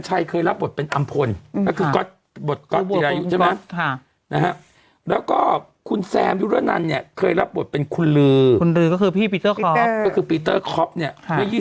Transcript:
คิดว่าต้องโดนอะไรอย่างเงี้ย